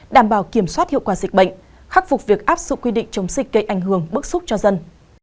đảm bảo kiểm soát hiệu quả dịch bệnh khắc phục việc áp dụng quy định chống dịch gây ảnh hưởng bức xúc cho dân